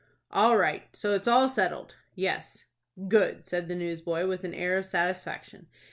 "All right. So it's all settled?" "Yes." "Good!" said the newsboy, with an air of satisfaction.